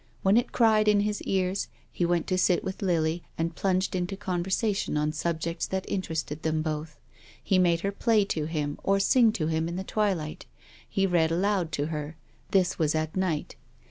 When it cried in his ears, he went to sit with Lily, and plunged into conversation on subjects that inter ested them both. He made her play to him, or sing to him in the twilight. He read aloud to her. This was at night.